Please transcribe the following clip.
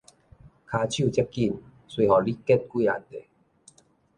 跤手遮緊，隨予你搩幾若塊